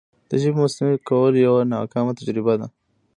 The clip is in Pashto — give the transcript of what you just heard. د ژبې مصنوعي کول یوه ناکامه تجربه ده.